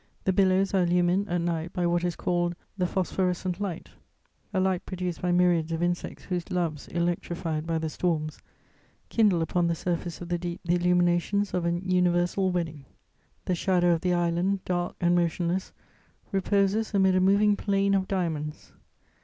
The billows are illumined at night by what is called "the phosphorescent light," a light produced by myriads of insects whose loves, electrified by the storms, kindle upon the surface of the deep the illuminations of an universal wedding. The shadow of the island, dark and motionless, reposes amid a moving plain of diamonds.